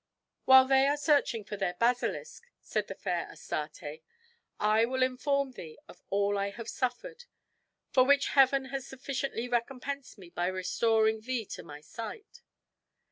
"While they are searching for their basilisk," said the fair Astarte, "I will inform thee of all I have suffered, for which Heaven has sufficiently recompensed me by restoring thee to my sight.